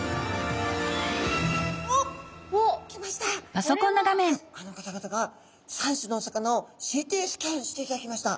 あの方々が３種のお魚をＣＴスキャンしていただきました。